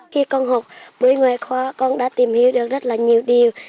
khi con học với ngoại khóa con đã tìm hiểu được rất là nhiều điều